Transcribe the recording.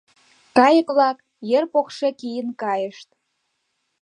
Кайык-влак ер покшек ийын кайышт.